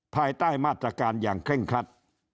ภายใต้มาตรการอย่างเคร่งครัด